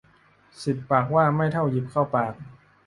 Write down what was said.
สิบปากว่าไม่เท่าหยิบเข้าปาก